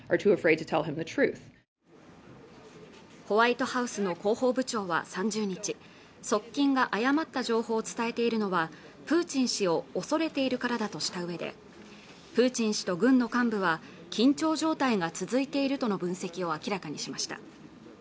ホワイトハウスの広報部長は３０日側近が誤った情報を伝えているのはプーチン氏を恐れているからだとしたうえでプーチン氏と軍の幹部は緊張状態が続いているとの分析を明らかにしました